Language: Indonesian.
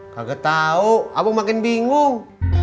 gak tau aku makin bingung